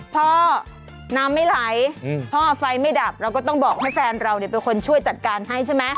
พ่อน้ำไม่ไหลพ่อไฟไม่ดับเราก็ต้องบอกให้แฟนเราเป็นคนช่วยจัดการให้ใช่ไหม